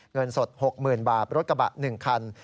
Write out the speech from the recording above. เงินสด๖๐๐๐บาทรถกระบะ๑คัน